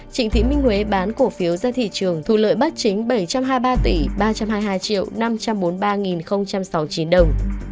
trịnh thị minh huế bán cổ phiếu ra thị trường thu lợi bất chính bảy trăm hai mươi ba tỷ ba trăm hai mươi hai năm trăm bốn mươi ba sáu mươi chín đồng